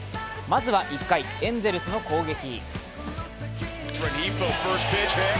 まずは１回、エンゼルスの攻撃。